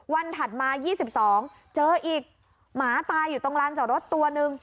วันถัดมา๒๒เจออีกหมาตายอยู่ตรงร้านเจาะรถตัวนึง